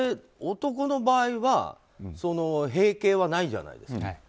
男の場合は閉経はないじゃないですか。